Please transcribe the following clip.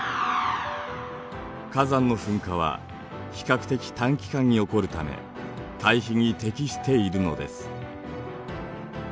火山の噴火は比較的短期間に起こるため対比に適しているのです。